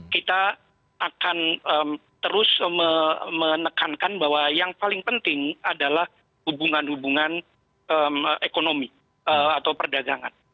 kita akan terus menekankan bahwa yang paling penting adalah hubungan hubungan ekonomi atau perdagangan